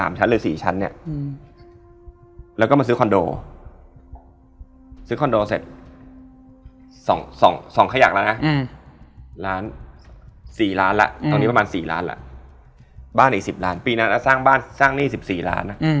เมื่อกี้แดงว่า